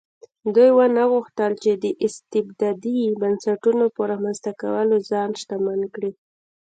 دوی ونه غوښتل چې د استبدادي بنسټونو په رامنځته کولو ځان شتمن کړي.